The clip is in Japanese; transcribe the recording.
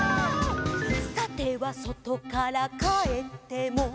「さてはそとからかえっても」